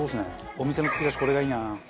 お店の突き出しこれがいいな。